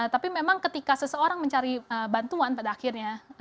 tapi memang ketika seseorang mencari bantuan pada akhirnya